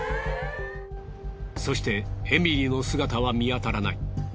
そしてエミリーの姿は見当たらない。